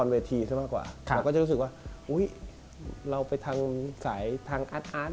เราก็รู้สึกว่าเขาทาง